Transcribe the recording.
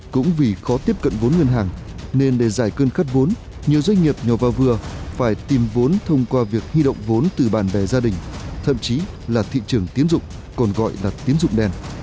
cũng vì khó tiếp cận vốn ngân hàng nên để giải cơn khắt vốn nhiều doanh nghiệp nhỏ và vừa phải tìm vốn thông qua việc huy động vốn từ bạn bè gia đình thậm chí là thị trường tiến dụng còn gọi là tiến dụng đen